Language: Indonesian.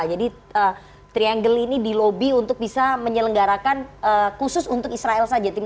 jadi triangle ini dilobby untuk bisa menyelenggarakan khusus untuk israel saja